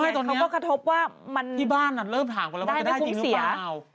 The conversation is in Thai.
เขาก็กระทบว่าที่บ้านเริ่มถามกันแล้วว่าจะได้จริงหรือเปล่า